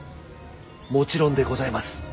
もちろんでございます。